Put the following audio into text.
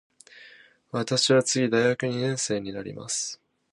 私は次大学二年生になります。